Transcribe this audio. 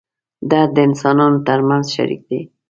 درد د انسانانو تر منځ شریک دی.